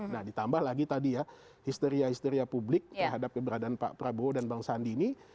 nah ditambah lagi tadi ya histeria histeria publik terhadap keberadaan pak prabowo dan bang sandi ini